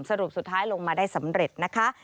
สรุปสุดท้ายลงมาได้สำเร็จนะคะ